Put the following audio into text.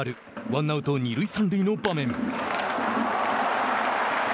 ワンアウト二塁三塁の場面。